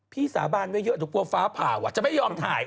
สาบานไว้เยอะหนูกลัวฟ้าผ่าจะไม่ยอมถ่าย